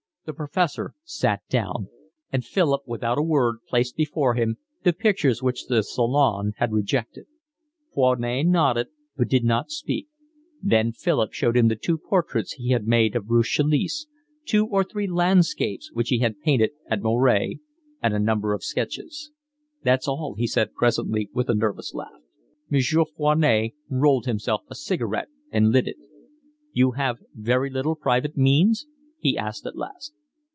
The professor sat down; and Philip without a word placed before him the picture which the Salon had rejected; Foinet nodded but did not speak; then Philip showed him the two portraits he had made of Ruth Chalice, two or three landscapes which he had painted at Moret, and a number of sketches. "That's all," he said presently, with a nervous laugh. Monsieur Foinet rolled himself a cigarette and lit it. "You have very little private means?" he asked at last.